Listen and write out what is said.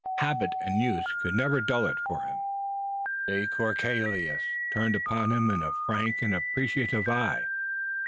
Habit and use could never dull it for him. De Courcelles turned upon him a frank and appreciative eye.